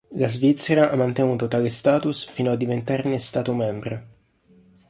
La Svizzera ha mantenuto tale status fino a diventarne Stato membro.